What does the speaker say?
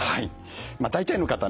大体の方ね